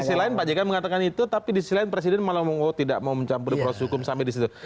di sisi lain pak jk mengatakan itu tapi di sisi lain presiden malah tidak mau mencampuri proses hukum sampai di situ